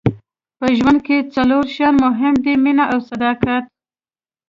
په ژوند کې څلور شیان مهم دي مینه او صداقت.